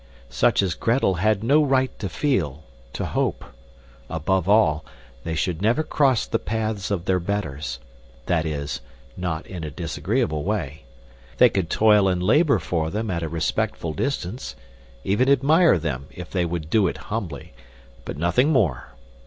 Such as Gretel had no right to feel, to hope; above all, they should never cross the paths of their betters that is, not in a disagreeable way. They could toil and labor for them at a respectful distance, even admire them, if they would do it humbly, but nothing more.